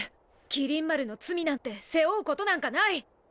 麒麟丸の罪なんて背負うことなんかない！